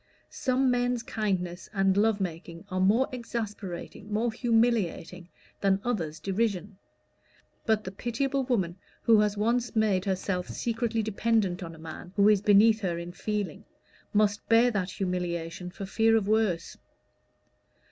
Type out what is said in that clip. Some men's kindness and love making are more exasperating, more humiliating than others' derision; but the pitiable woman who has once made herself secretly dependent on a man who is beneath her in feeling, must bear that humiliation for fear of worse.